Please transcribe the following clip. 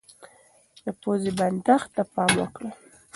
د پوزې بندښت ته پام وکړئ.